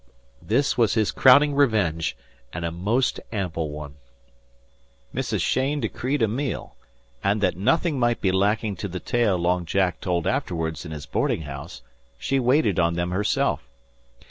This was his crowning revenge, and a most ample one. Mrs. Cheyne decreed a meal, and that nothing might be lacking to the tale Long Jack told afterwards in his boarding house, she waited on them herself.